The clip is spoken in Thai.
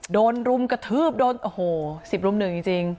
โดนรุ่มกระทืบโอ้โห๑๐รุ่ม๑จริง